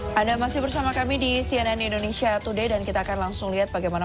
hai anda masih bersama kami di cnn indonesia today dan kita akan langsung lihat bagaimana